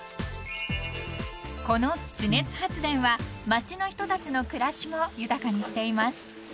［この地熱発電は街の人たちの暮らしも豊かにしています］